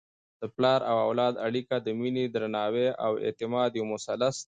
د پلار او اولاد اړیکه د مینې، درناوي او اعتماد یو مثلث دی.